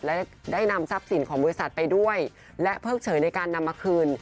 และได้นำทรัพย์สินของบริษัทไปด้วยและเพิกเฉยในการนำมาคืน